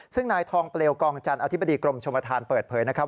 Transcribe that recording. ซึ่งนายทองเปลวกองจันทร์อธิบดีกรมชมธานเปิดเผยนะครับ